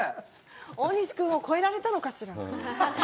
大西君を超えられたのかしら？